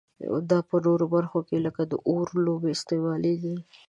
دا په نورو برخو کې لکه د اور لوبې استعمالیږي.